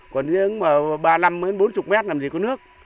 còn giếng mà ba mươi năm bốn mươi mét làm gì có nước